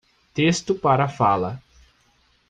Texto para fala.